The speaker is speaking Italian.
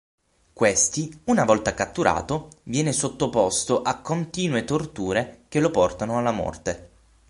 Questi, una volta catturato, viene sottoposto a continue torture che lo portano alla morte.